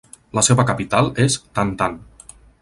La seva capital és Tan-Tan.